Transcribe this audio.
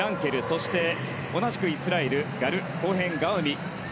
そして、同じくイスラエルガル・コーヘン・ガウミ。